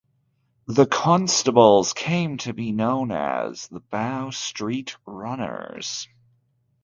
The constables came to be known as the Bow Street Runners.